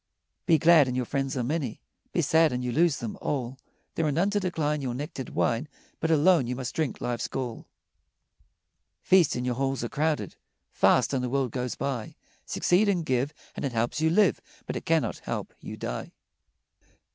Be glad, and your friends are many; Be sad, and you lose them all; There are none to decline Your nectared wine, But alone you must drink life's gall. Feast, and your halls are crowded; Fast, and the world goes by; Succeed and give, And it helps you live, But it cannot help you die.